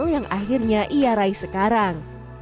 yang akhirnya ia raih sekarang